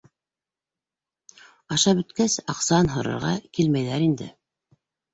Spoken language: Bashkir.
— Ашап бөткәс, аҡсаһын һорарға килмәйҙәр инде.